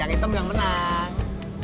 yang hitam yang menang